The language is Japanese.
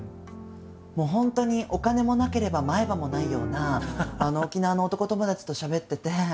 もう本当にお金もなければ前歯もないような沖縄の男友達としゃべってて。